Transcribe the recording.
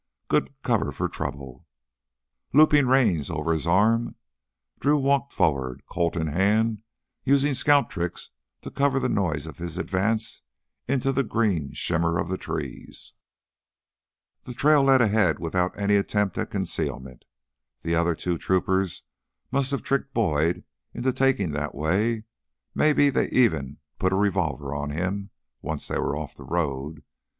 Good cover for trouble. Looping reins over his arm, Drew walked forward, Colt in hand, using scout tricks to cover the noise of his advance into the green shimmer of the trees. The trail led ahead without any attempt at concealment. The other two troopers must have tricked Boyd into taking that way; maybe they had even put a revolver on him once they were off the road.